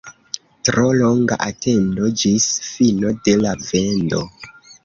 Tro longa atendo ĝis fino de la vendo.